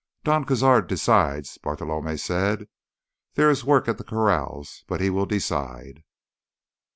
"Don Cazar decides," Bartolomé said. "There is work at the corrals, but he will decide."